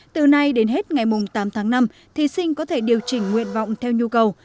từ nay đến hết ngày tám tháng năm thí sinh có thể điều chỉnh nguyện vọng theo nhu cầu